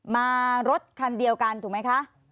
มารถคันเดียวกันถูกไหมคะ